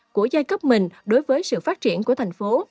của giai cấp mình đối với sự phát triển của thành phố